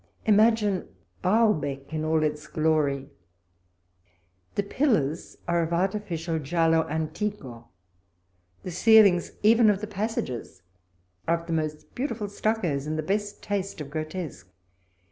Imagine Bal walpole's letters. 155 bee in all its glory ! The pillars are of artificial rjiallo antico. The ceilings, even of the passages, are of the most beautiful stuccos in the best taste of grotesque.